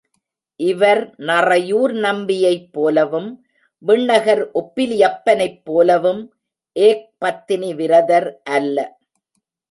இவர் நறையூர் நம்பியைப் போலவும் விண்ணகர் ஒப்பிலியப்பனைப் போலவும் ஏக்பத்னி விரதர் அல்ல.